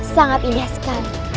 sangat indah sekali